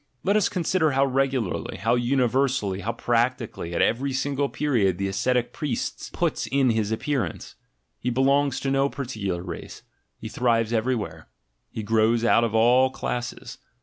Let us consider how regularly, how universally, how practically at every single period the ascetic priest puts in his appearance: he belongs to no particular race; he thrives everywhere; he grows out of all classes.